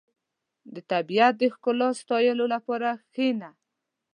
• د طبیعت د ښکلا ستایلو لپاره کښېنه.